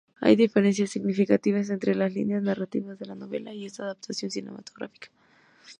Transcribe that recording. Hay diferencias significativas entre las líneas narrativas de la novela y esta adaptación cinematográfica.